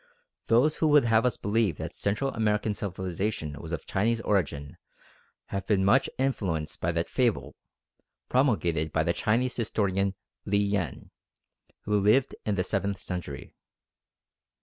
Those who would have us believe that Central American civilisation was of Chinese origin have been much influenced by that fable promulgated by the Chinese historian Li Yen, who lived in the seventh century.